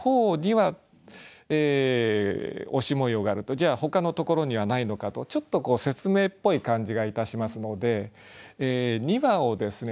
じゃあほかのところにはないのかとちょっと説明っぽい感じがいたしますので「には」をですね